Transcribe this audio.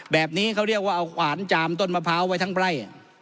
แบบนี้เขาเรียกว่าเอาขวานจามต้นมะพร้าวไว้ทั้งไร่